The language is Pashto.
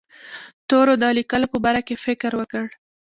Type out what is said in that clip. تورو د لیکلو په باره کې فکر وکړ.